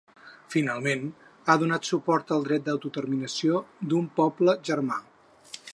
Finalment, ha donat suport al dret d’autodeterminació d’un “poble germà”.